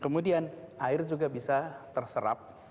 kemudian air juga bisa terserap